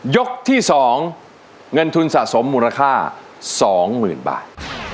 ยกที่สองเงินทุนสะสมมูลค่าสองหมื่นบาท